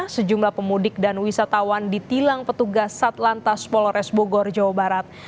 sejumlah pemudik dan wisatawan ditilang petugas satlantas polres bogor jawa barat